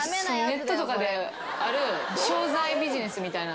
ネットとかである商材ビジネスみたいな。